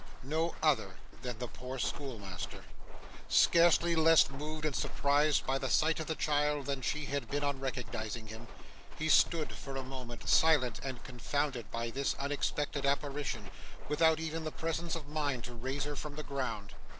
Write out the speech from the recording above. No other than the poor schoolmaster. Scarcely less moved and surprised by the sight of the child than she had been on recognising him, he stood, for a moment, silent and confounded by this unexpected apparition, without even the presence of mind to raise her from the ground.